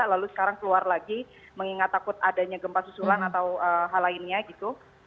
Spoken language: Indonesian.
lalu sekarang keluar lagi mengingat takut adanya gempa susulan atau hal lainnya gitu